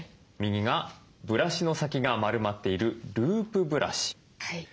右がブラシの先が丸まっているループブラシ。